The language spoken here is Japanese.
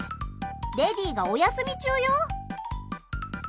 レディーがお休み中よ。